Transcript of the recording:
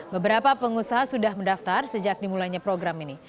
beberapa pengusaha sudah mendaftar sejak dimulainya program ini